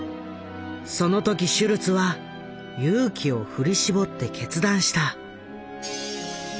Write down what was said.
その時シュルツは勇気を振り絞って決断した。